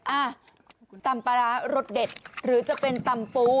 อ่ะตำปลาร้ารสเด็ดหรือจะเป็นตำปู